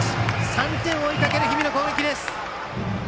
３点を追いかける氷見の攻撃です。